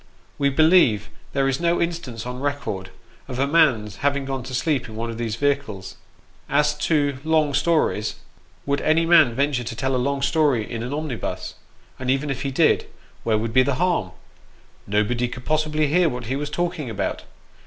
We believe there is no instance on record, of a man's having gone to sleep in one of these vehicles. As to long stories, would any man venture to tell a long story in an omnibus? and even if he did, where would be the harm? nobody could possibly hear what he was talking about.